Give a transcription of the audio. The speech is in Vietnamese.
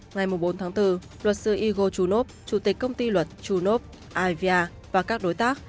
ngày bốn tháng bốn luật sư igor chulnov chủ tịch công ty luật chulnov ivia và các đối tác